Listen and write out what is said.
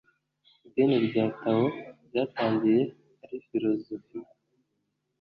idini rya tao ryatangiye ari filozofiya